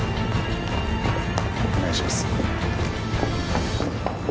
お願いします。